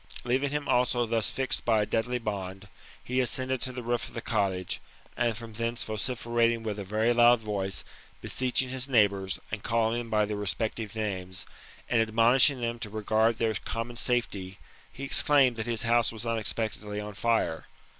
Leaving him also thus fixed by a deadly bond, he ascended to the roof of the cottage, and from thence vociferating with a very loud voice, beseeching his neighbours, and calling them by their respective names, and admonishing them to regard their com mon safety, he exclaimed that his house was unexpectedly on fire.